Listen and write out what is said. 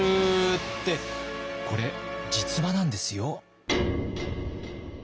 ってこれ実話なんですよ。